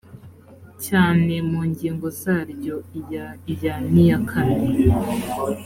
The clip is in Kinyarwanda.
cyane mu ngingo zaryo iya iya n iyakane